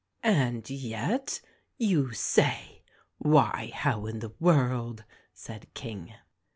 "And yet, you say ! Why how in the world?" said King.